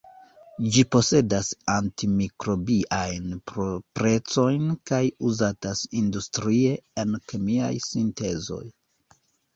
Ĝi posedas anti-mikrobiajn proprecojn kaj uzatas industrie en kemiaj sintezoj.